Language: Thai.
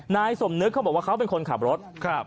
นายสมนึกเขาบอกว่าเขาเป็นคนขับรถครับ